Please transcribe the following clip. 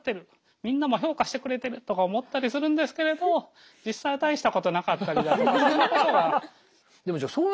みんなも評価してくれてるとか思ったりするんですけれど実際は大したことなかったりだとか。